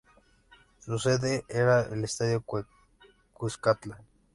Su sede era el Estadio Cuscatlán.